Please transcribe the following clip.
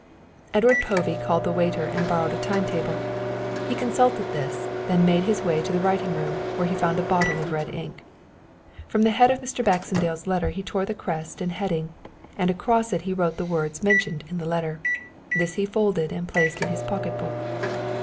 Edward Povey called the waiter and borrowed a time table. He consulted this, then made his way to the writing room, where he found a bottle of red ink. From the head of Mr. Baxendale's letter he tore the crest and heading, and across it he wrote the words mentioned in the letter. This he folded and placed in his pocket book.